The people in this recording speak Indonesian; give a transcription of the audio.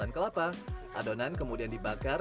dan kelapa adonan kemudian dibakar